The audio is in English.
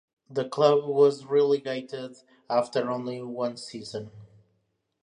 The club was relegated after only one season.